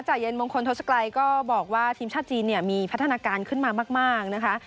เย็นมงคลทศกรัยก็บอกว่าทีมชาติจีนเนี่ยมีพัฒนาการขึ้นมามากนะคะ